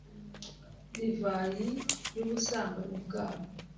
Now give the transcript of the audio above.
divayi y ubusambanyi bwayo